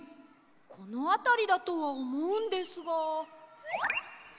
このあたりだとはおもうんですが。